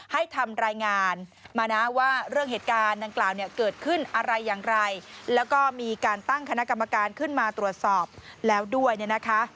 ให้ทำรายงานมานะว่าเรื่องเหตุการณ์ดังกล่าวเนี่ยเกิดขึ้นอะไรอย่างไร